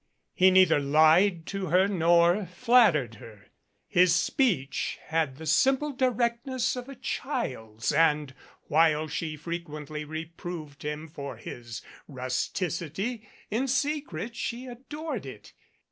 He neither lied to her nor flattered her; his speech had the simple directness of a child's, and while she frequently reproved him for his rusticity, in secret she adored it.